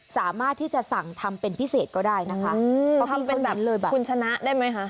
สามารถที่จะสั่งทำเป็นพิเศษก็ได้นะคะพอทำเป็นแบบนี้เลยแบบคุณชนะได้ไหมคะ